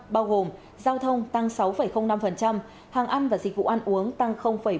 bao gồm giao thông tăng sáu năm hàng ăn và dịch vụ ăn uống tăng bốn mươi bốn